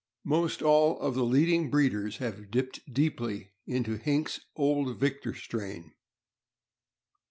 Most all of the leading breeders have dipped deeply into Hinks' Old Victor strain.